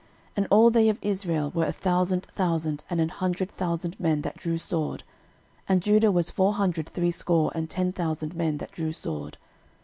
And all they of Israel were a thousand thousand and an hundred thousand men that drew sword: and Judah was four hundred threescore and ten thousand men that drew sword.